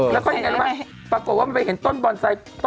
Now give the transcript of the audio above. แล้วก็ยังไงรู้ไหมปรากฏว่ามันไปเห็นต้นบอนไซค์